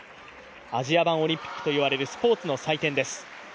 アジア版オリンピックといわれるスポーツの祭典です。